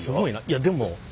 いやでも。